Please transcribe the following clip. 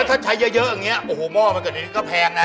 ถ้าใช้เยอะอย่างนี้โอ้โหหม้อมันเกิดนี้ก็แพงนะ